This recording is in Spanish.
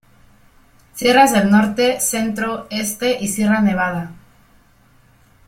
Sierras del Norte, Centro, Este, y Sierra Nevada.